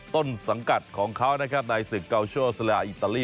ต้นสังกัดของเขานะครับในศึกเกาโชสุราอิตาลี